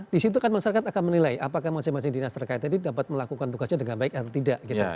di situ kan masyarakat akan menilai apakah masing masing dinas terkait tadi dapat melakukan tugasnya dengan baik atau tidak